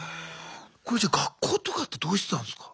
じゃあ学校とかってどうしてたんですか。